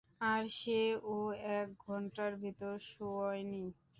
আর সে-ও এক ঘণ্টার ভেতরে শোয়নি।